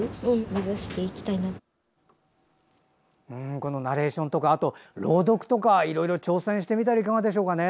このナレーションとかあと朗読とかいろいろ挑戦してみたらいかがでしょうかね。